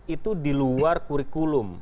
itu diluar kurikulum